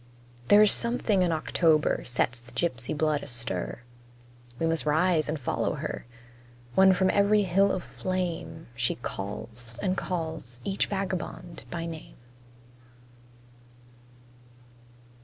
There is something in October sets the gypsy blood astir; We must rise and follow her, When from every hill of flame She calls and calls each vagabond by name.